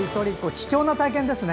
貴重な体験ですよね。